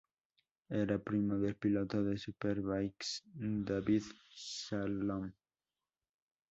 Era primo del piloto de Superbikes David Salom.